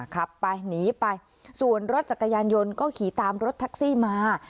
ขับไปหนีไปส่วนรถจักรยานยนต์ก็ขี่ตามรถแท็กซี่มา